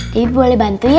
debbie boleh bantu ya